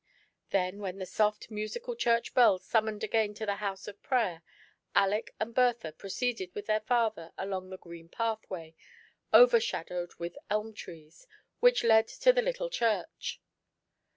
Then, when the soft, musical church bells summoned again to the house of prayer, Aleck and Bertha proceeded with their father along the green pathway, overshadowed with elm trees, which led to the little church.